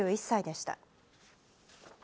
９１歳でした。